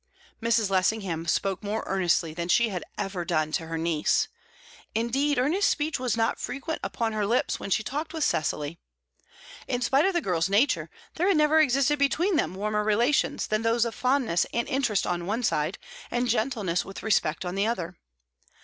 Mrs. Lessingham spoke more earnestly than she ever had done to her niece. Indeed, earnest speech was not frequent upon her lips when she talked with Cecily. In spite of the girl's nature, there had never existed between them warmer relations than those of fondness and interest on one side, and gentleness with respect on the other.